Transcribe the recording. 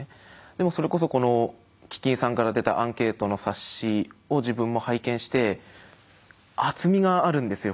でもそれこそこの基金さんから出たアンケートの冊子を自分も拝見して厚みがあるんですよ